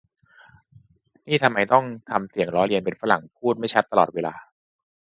นี่ทำไมต้องทำเสียงล้อเลียนเป็นฝรั่งพูดไม่ชัดตลอดเวลา